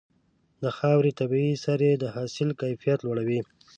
د خاورې طبيعي سرې د حاصل کیفیت لوړوي.